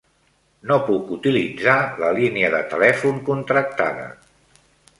No puc utilitzar la línia de telèfon contractada.